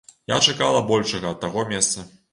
Я чакала большага ад таго месца.